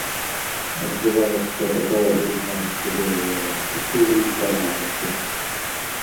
Адбываецца такая гульня ў судовыя артыкулы і параграфы.